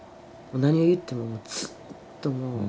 何を言ってもずっともう。